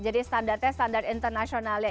jadi standarnya standar internasional ya